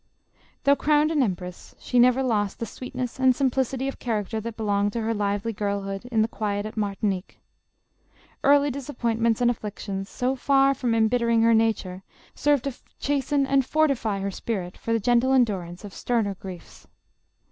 Though crowned an empress, she never lost the sweetness and simplicity of character that belonged to her lively girlhood, in the quiet at Martinique. Early disappointments and afflictions, so far from em bittering her nature, served to chasten and fortify her spirit for the gentle endurance of sterner griefs.